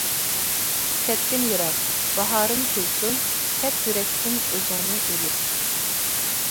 كەتكىن يىراق، باھارىم كۈلسۇن، كەت يۈرەكتىن ئۆزۈڭنى ئېلىپ.